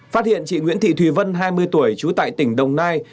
phát hiện chị nguyễn thị thùy vân hai mươi tuổi trú tại tỉnh đồng nai